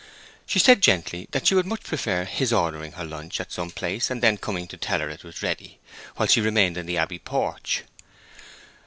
She said gently that she would much prefer his ordering her lunch at some place and then coming to tell her it was ready, while she remained in the Abbey porch.